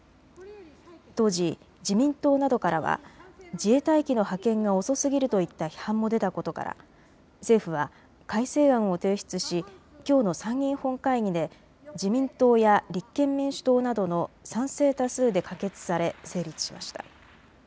当時、自民党などからは自衛隊機の派遣が遅すぎるといった批判も出たことから政府は改正案を提出しきょうの参議院本会議で自民党や立憲民主党などの賛成多数で可決され成立しました。